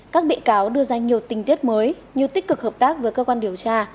các bị cáo đưa ra nhiều tình tiết mới nhiều tích cực hợp tác với cơ quan điều tra